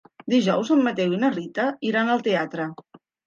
Dijous en Mateu i na Rita iran al teatre.